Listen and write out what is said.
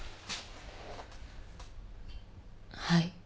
はい。